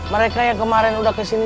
mereka yang kemarin udah kesini